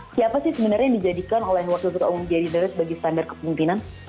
siapa sih sebenarnya yang dijadikan oleh wasiatur umum jadinya sebagai standar kepemimpinan